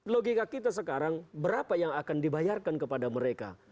logika kita sekarang berapa yang akan dibayarkan kepada mereka